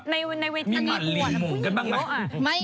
มีมันลีมม่องกันบ้างไม